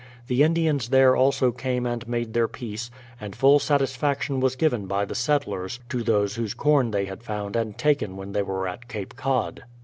The Indians there also came and made their peace and full satisfaction was given by the settlers to those whose corn they had found and taken when they were at Cape Cod.